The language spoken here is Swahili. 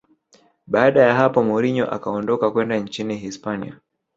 baada ya hapo mourinho akaondoka kwenda nchini hispania